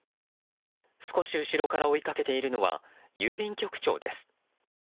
少し後ろから追いかけているのは郵便局長です。